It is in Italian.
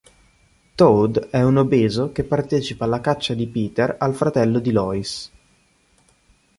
Toad è un obeso che partecipa alla caccia di Peter al fratello di Lois.